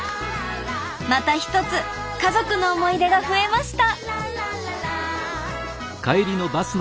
また一つ家族の思い出が増えました！